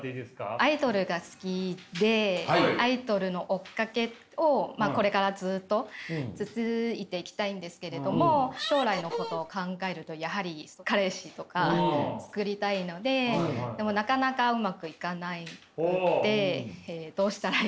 アイドルが好きでアイドルの追っかけをこれからずっと続いていきたいんですけれども将来のことを考えるとやはり彼氏とかつくりたいのででもなかなかうまくいかなくってどうしたらいいのか。